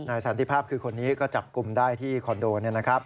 สันติภาพคือคนนี้ก็จับกลุ่มได้ที่คอนโด